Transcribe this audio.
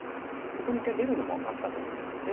ここに１回出るのもあったと思います。